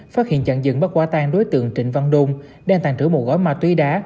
phát hiện chặn dựng bắt quả tan đối tượng trịnh văn đôn đang tàn trữ một gói ma túy đá